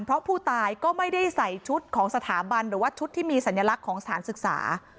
เพราะผู้ตายก็ไม่ได้ใส่ชุดของสถาบันหรือว่าชุดที่มีสัญลักษณ์ของสถานศึกษา